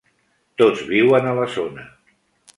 Tots viuen a la zona.